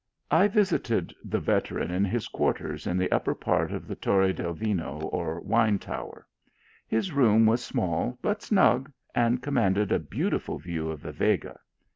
I visited the veteran in his quarters in the upper part of the Terre del Vino, or Wine Tower. His room was small but snug, and commanded a beau tiful view of the Vega.